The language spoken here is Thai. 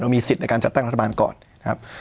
มีสิทธิ์ในการจัดตั้งรัฐบาลก่อนนะครับ